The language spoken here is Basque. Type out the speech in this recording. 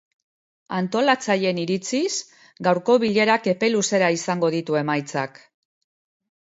Antolatzaileen iritziz, gaurko bilerak epe luzera izango ditu emaitzak.